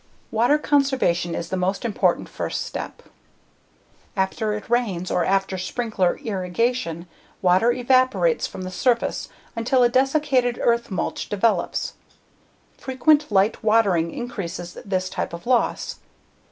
Water Conservation Is the Most Important First Step After it rains or after sprinkler irrigation, water evaporates from the surface until a desiccated earth mulch develops. Frequent light watering increases this type of loss.